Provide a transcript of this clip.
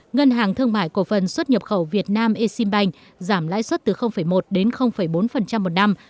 ngân hàng thương mại cổ phần xuất nhập khẩu việt nam exim bank giảm lãi suất từ một đến bốn một năm